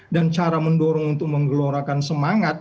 dan cara mendorong untuk menggelorakan semangat